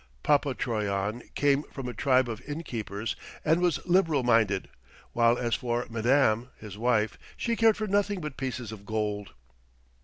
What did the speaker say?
Papa Troyon came from a tribe of inn keepers and was liberal minded; while as for Madame his wife, she cared for nothing but pieces of gold....